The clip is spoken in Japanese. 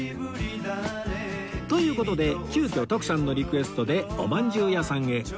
という事で急きょ徳さんのリクエストでおまんじゅう屋さんへ